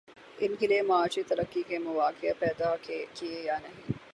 ان کے لیے معاشی ترقی کے مواقع پیدا کیے یا نہیں؟